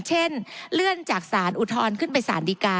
เช่นเลื่อนจากสารอุทธรณ์ขึ้นไปสารดีกา